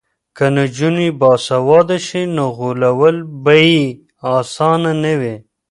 که نجونې باسواده شي نو غولول به یې اسانه نه وي.